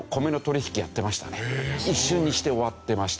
一瞬にして終わってました。